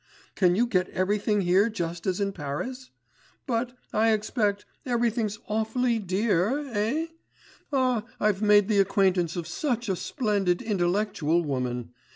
Can you get everything here just as in Paris? But, I expect, everything's awfully dear, eh? Ah, I've made the acquaintance of such a splendid, intellectual woman!